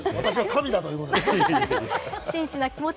私が神だということですね。